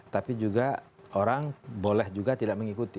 tapi juga orang boleh juga tidak mengikuti